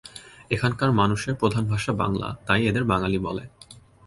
এখানকার মানুষের প্রধান ভাষা বাংলা তাই এদের বাঙালি বলে।